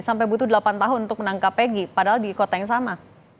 sampai butuh delapan tahun untuk menangkap egy padahal di kota yang sama